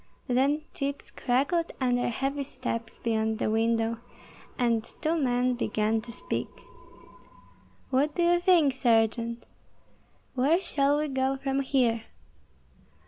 Then chips crackled under heavy steps beyond the window, and two men began to speak, "What do you think, Sergeant? Where shall we go from here?"